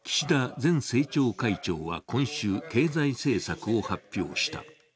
前政調会長は今週、経済政策を発表した。